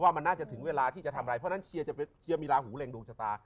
ว่ามันน่าจะถึงเวลาที่จะทำอะไรเพราะฉะนั้นเชียร์มีลาหูเร็งดวงชะตา